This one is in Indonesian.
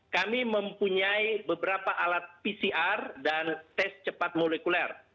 kami mempunyai beberapa alat pcr dan tes cepat molekuler